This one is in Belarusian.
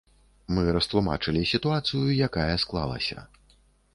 Мы растлумачылі сітуацыю, якая склалася.